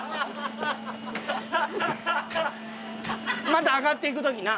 また上がっていく時な。